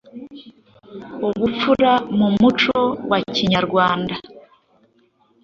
ubupfura mu muco wa kinyarwanda